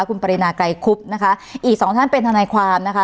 คุณปรินาไกรคุบนะคะอีกสองท่านเป็นทนายความนะคะ